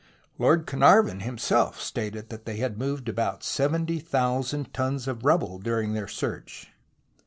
Lord Carnarvon himself stated that they had moved about 70,000 tons of rubble during their search.